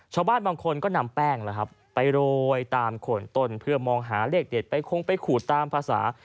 ชาวบ้านบางคนก็นำแป้งไปโรยตามโขนต้นเพื่อมองหาเลขเด็ดไปคงไปขูดตามภาษา